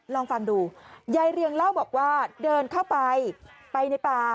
ลองฟังดูยายเรียงเล่าบอกว่าเดินเข้าไปไปในป่า